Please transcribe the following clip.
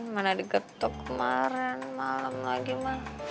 bukan mana digetuk kemarin malem lagi ma